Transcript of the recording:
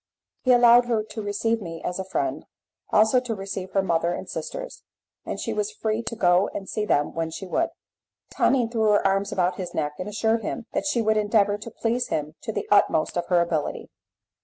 He allowed her to receive me as a friend, also to receive her mother and sisters, and she was free to go and see them when she would. Tonine threw her arms about his neck, and assured him that she would endeavour to please him to the utmost of her ability.